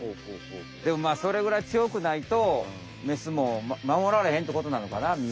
でもまあそれぐらい強くないとメスも守られへんってことなのかな身を。